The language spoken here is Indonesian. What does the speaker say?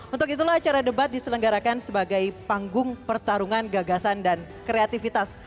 untuk itulah acara debat diselenggarakan sebagai panggung pertarungan gagasan dan kreativitas